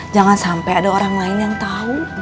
jangan sampai ada orang lain yang tahu